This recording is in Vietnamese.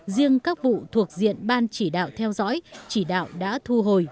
riêng các vụ thuộc diện ban chỉ đạo theo dõi chỉ đạo đã thu hồi